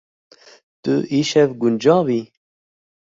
Tu îşev guncav î?